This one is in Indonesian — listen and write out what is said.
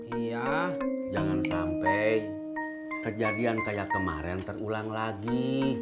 iya jangan sampai kejadian kayak kemarin terulang lagi